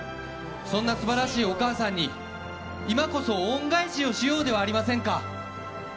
そんな素晴らしいお母さんに今こそ恩返しをしようではありませんか。